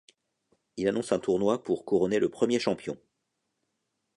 Il annonce un tournoi pour couronner le premier champion.